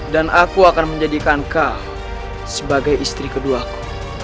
dan aku akan menjadikan kau sebagai istri keduaku